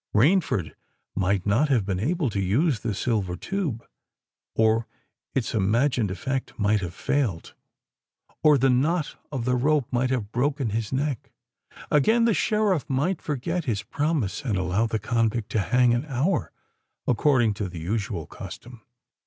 Rainford might not have been able to use the silver tube,—or its imagined effect might have failed,—or the knot of the rope might have broken his neck? Again—the Sheriff might forget his promise, and allow the convict to hang an hour according to the usual custom?